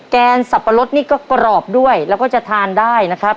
แกงสับปะรดนี่ก็กรอบด้วยแล้วก็จะทานได้นะครับ